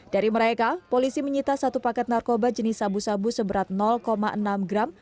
dari mereka polisi menyita satu paket narkoba jenis sabu sabu seberat enam gram